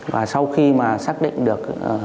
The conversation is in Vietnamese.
và sau khi mà xác định được